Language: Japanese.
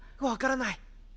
分からない。